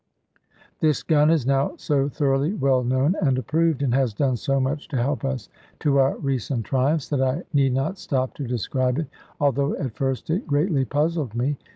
This gun is now so thoroughly well known and approved, and has done so much to help us to our recent triumphs, that I need not stop to describe it, although at first it greatly puzzled me.